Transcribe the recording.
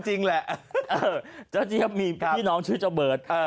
เจ้าเจี๊ยบมีพี่น้องชื่อเจ้าเบิร์ด